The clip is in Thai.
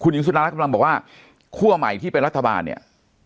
หญิงสุดารัฐกำลังบอกว่าคั่วใหม่ที่เป็นรัฐบาลเนี่ย